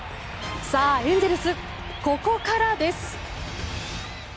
さあ、エンゼルスここからです！